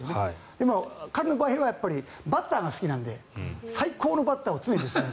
でも、彼の場合はバッターが好きなので最高のバッターを常に持ちたい。